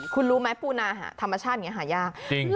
คุณรู้ไหมปูนาหาธรรมชาติอย่างนี้หายาก